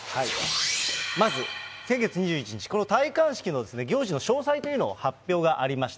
まず先月２１日、この戴冠式の行事の詳細というのが発表がありました。